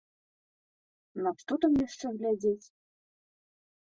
На што там яшчэ глядзець?